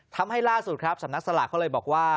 ทำให้ล่าสุดครับสำนักสลากเขาเลยบอกว่า